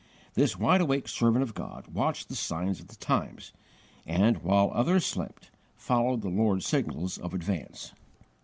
This wide awake servant of God watched the signs of the times and, while others slept, followed the Lord's signals of advance.